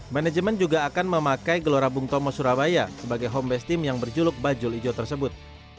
manajemen juga akan memakai gelora bung tomo surabaya sebagai homebase team yang berjuluk bajul ijo tersebut